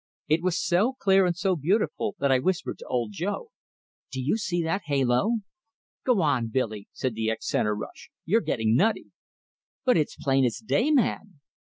It was so clear and so beautiful that I whispered to Old Joe: "Do you see that halo?" "Go on, Billy!" said the ex centre rush. "You're getting nutty!" "But it's plain as day, man!"